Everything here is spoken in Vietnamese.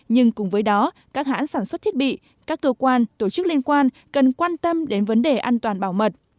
nhưng cùng với đó các hãng sản xuất thiết bị các cơ quan tổ chức liên quan cần quan tâm đến vấn đề an toàn bảo mật